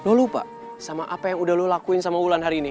lu lupa sama apa yang udah lu lakuin sama ulan hari ini